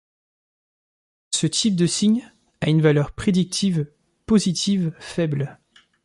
Ce type de signe a une valeur prédictive positive faible.